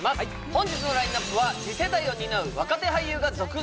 本日のラインナップは次世代を担う若手俳優が続々